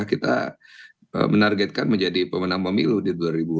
kita menargetkan menjadi pemenang pemilu di dua ribu dua puluh